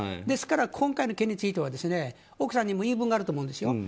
ですから今回の件については奥さんにも言い分があると思うんですね。